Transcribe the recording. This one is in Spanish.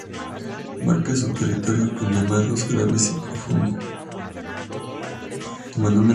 Marca su territorio con llamados graves y profundos.